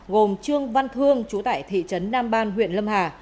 gồm trương văn thương chú tại thị trấn nam ban huyện lâm hà